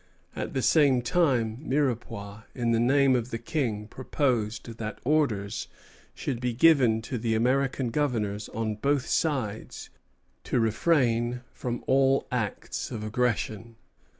At the same time Mirepoix in the name of the King proposed that orders should be given to the American governors on both sides to refrain from all acts of aggression.